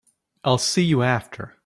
I'll see you after.